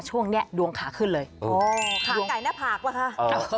ช่วงนี้ดวงขาขึ้นเลยขาไก่หน้าผากป่ะคะ